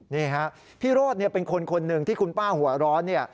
นี่ฮะพี่โรดเป็นคนหนึ่งที่คุณป้าหัวร้อน